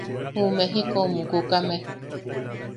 Juʼu Mejikou mukukame.